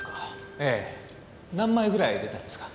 ええ何枚ぐらい出たんですか？